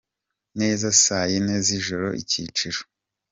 neza saa yine z’ijoro icyiciro.